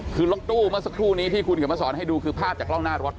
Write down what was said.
คือรถตู้เมื่อสักครู่นี้ที่คุณเขียนมาสอนให้ดูคือภาพจากกล้องหน้ารถ